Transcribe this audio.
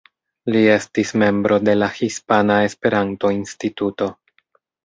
Li estis membro de la Hispana Esperanto-Instituto.